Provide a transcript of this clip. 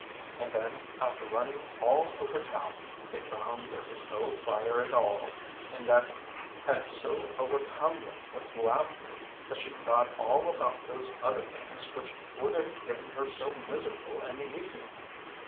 And then after running all over town they found there was no fire at all, and that had so overcome them with laughter that she forgot all about those other things which would have given her so miserable an evening.